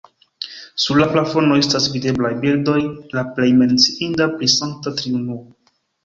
Sur la plafono estas videblaj bildoj, la plej menciinda pri Sankta Triunuo.